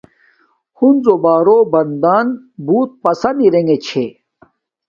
ہنزو بارو بندن بوت پسن ارےنݣ چھے